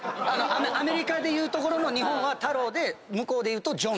アメリカでいうところの日本は太郎で向こうでいうとジョン。